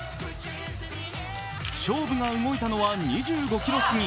勝負が動いたのは２５ｋｍ過ぎ。